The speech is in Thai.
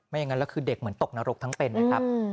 อย่างนั้นแล้วคือเด็กเหมือนตกนรกทั้งเป็นนะครับ